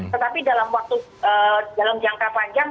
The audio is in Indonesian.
tetapi dalam waktu dalam jangka panjang